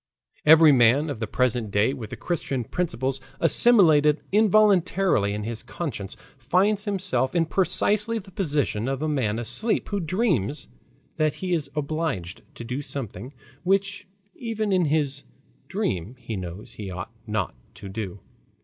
Every man of the present day with the Christian principles assimilated involuntarily in his conscience, finds himself in precisely the position of a man asleep who dreams that he is obliged to do something which even in his dream he knows he ought not to do.